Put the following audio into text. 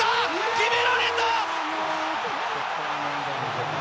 決められた！